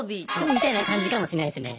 みたいな感じかもしれないですね。